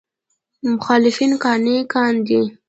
مخالفان قانع کاندي.